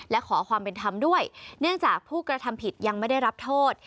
และขอความเป็นธรรมด้วยเนื่องจากผู้กระทำผิดยังไม่ได้รับโทษ